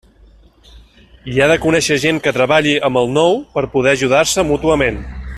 I ha de conèixer gent que treballi amb el nou per poder ajudar-se mútuament.